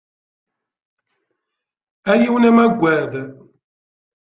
A yiwen amagad!